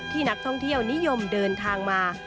นักท่องเที่ยวนิยมเดินทางมา